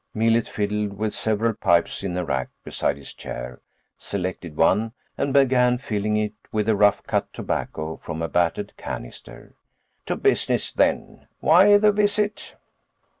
Millet fiddled with several pipes in a rack beside his chair, selected one, and began filling it with rough cut tobacco from a battered canister. "To business, then. Why the visit?"